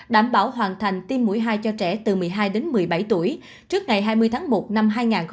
đảm bảo hoàn thành tiêm mũi hai cho trẻ từ một mươi hai đến một mươi bảy tuổi trước ngày hai mươi tháng một năm hai nghìn hai mươi